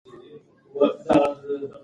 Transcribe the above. څېړونکو ګډ محلول جوړ کړ.